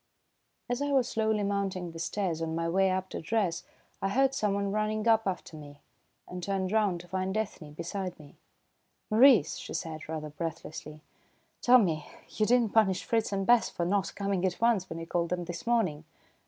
As I was slowly mounting the stairs on my way up to dress, I heard someone running up after me, and turned round to find Ethne beside me. "Maurice," she said, rather breathlessly, "tell me, you did not punish Fritz and Bess for not coming at once when you called them this morning?"